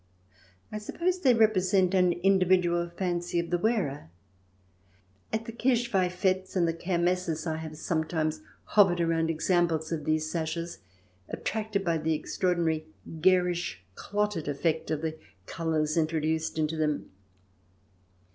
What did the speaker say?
I suppose they represent an individual fancy of the wearer. At the Kirchweih fetes and the Kermesses I have sometimes hovered round examples of these sashes, attracted by the extraordinary garish, clotted effect of the colours introduced into them.